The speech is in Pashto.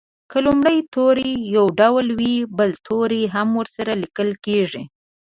که لومړی توری یو ډول وي بل توری هم ورسره لیکل کیږي.